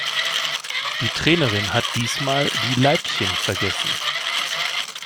Die Trainerin hat diesmal die Leibchen vergessen.